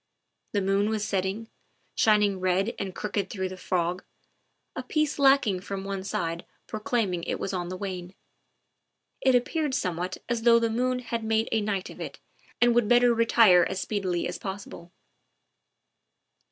The moon was setting, shining red and crooked through the fog, a piece lacking from one side proclaiming it was on the wane; it ap peared somewhat as though the moon had made a night of it and would better retire as speedily as possible.